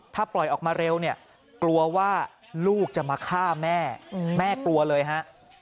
ถ้าปล่อยออกมาเร็วเนี่ยกลัวว่าลูกจะมาฆ่าแม่แม่กลัวเลยฮะ